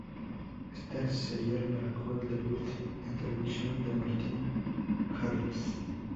Este serial marcó el debut en televisión de Martin Jarvis.